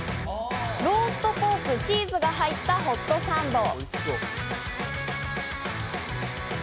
ローストポーク、チーズが入ったホットサンド。